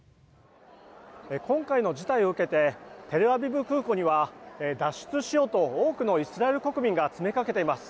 今回の事態を受けてテルアビブ空港には脱出しようと多くのイスラエル国民が詰めかけています。